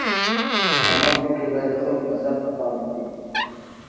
عامه پرېکړې باید د خلکو نظر ته پام وکړي.